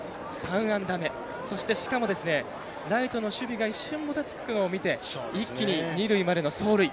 ３安打目、そしてしかもライトの守備が一瞬、もたつくのを見て一気に二塁までの走塁。